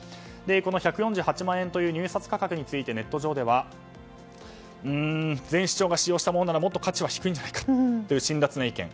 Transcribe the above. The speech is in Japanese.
この１４８万円という入札価格についてネット上では前市長が使用したものならもっと価値は低いんじゃないかという辛辣な意見。